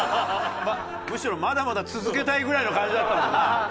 むしろまだまだ続けたいぐらいの感じだったもんな。